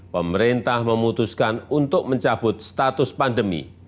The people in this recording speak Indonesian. pemerintah memutuskan untuk mencabut status pandemi